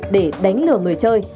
để đánh lửa người chơi